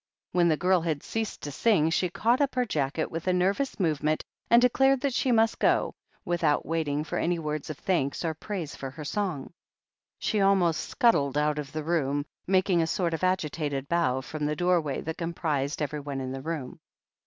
When the girl had ceased to sing, she caught up her jacket with a nervous movement and declared that she must go, without waiting for any words of thanks or praise for her song. She almost scuttled out of the room, making a sort of agitated bow from the door way that comprised everyone in the room.